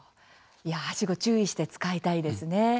はしご、注意して使いたいですね。